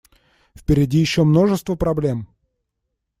Впереди еще множество проблем.